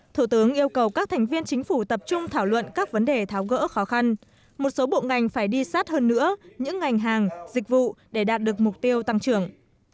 thủ tướng yêu cầu các thành viên chính phủ tập trung thảo luận các vấn đề tháo gỡ khó khăn một số bộ ngành phải đi sát hơn nữa những ngành hàng dịch vụ để đạt được mục tiêu tăng trưởng